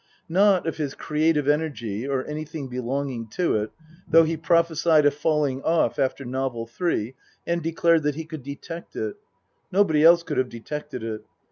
Not of his creative energy or anything belonging to it, though he prophesied a falling off after Novel Three, and declared that he could detect it. Nobody else could have detected it.